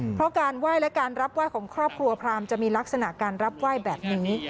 เพราะการไหว้และการรับไหว้ของครอบครัวพรามจะมีลักษณะการรับไหว้แบบนี้